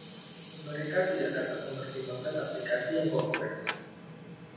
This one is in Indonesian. Mereka tidak dapat mempertimbangkan aplikasi yang kompleks.